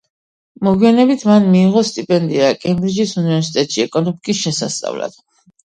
მოგვიანებით მან მიიღო სტიპენდია კემბრიჯის უნივერსიტეტში ეკონომიკის შესასწავლად.